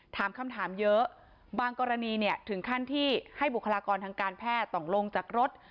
ถามคำถามเยอะบางกรณีเนี่ยถึงขั้นที่ให้บุคลากรทางการแพทย์ต้องลงจากรถ